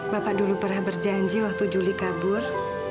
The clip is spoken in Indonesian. bapak dulu pernah berjanji waktu juli kabur